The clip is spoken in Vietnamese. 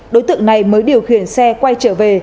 đối tượng này mới điều khiển xe quay trở về